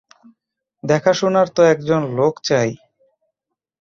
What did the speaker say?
দেখাশুনার তো একজন লোক চাই?